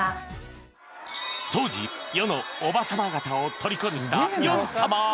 当時世のおばさま方をとりこにしたヨン様